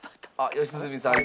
良純さん